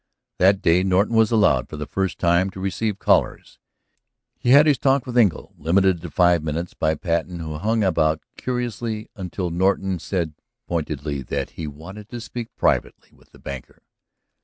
That day Norton was allowed for the first time to receive callers. He had his talk with Engle, limited to five minutes by Patten who hung about curiously until Norton said pointedly that he wanted to speak privately with the banker.